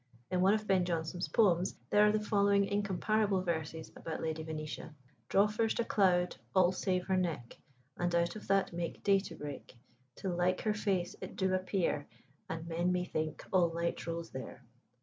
In one of Ben Jonson's poems there are the following incomparable verses about Lady Venetia: "Draw first a cloud, all save her neck, And out of that make day to break, Till like her face it do appear, And men may think all light rose there."